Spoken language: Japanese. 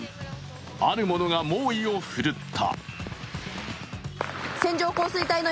あるものが猛威を振るった。